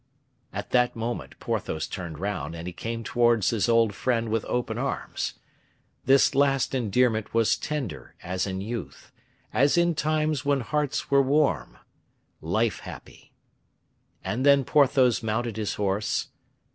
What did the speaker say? At that moment Porthos turned round, and he came towards his old friend with open arms. This last endearment was tender as in youth, as in times when hearts were warm life happy. And then Porthos mounted his horse.